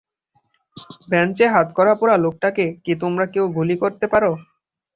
বেঞ্চে হাতকড়া পরা লোকটাকে কি তোমরা কেউ গুলি করতে পারো?